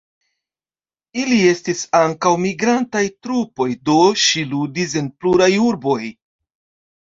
Ili estis ankaŭ migrantaj trupoj, do ŝi ludis en pluraj urboj.